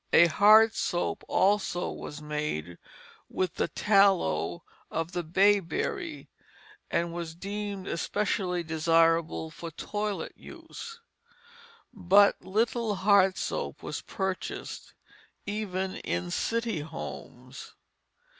A hard soap also was made with the tallow of the bayberry, and was deemed especially desirable for toilet use. But little hard soap was purchased, even in city homes.